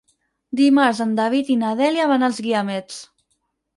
Dimarts en David i na Dèlia van als Guiamets.